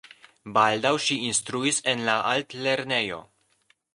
Baldaŭ ŝi instruis en la altlernejo.